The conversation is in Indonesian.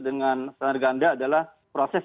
dengan standar ganda adalah proses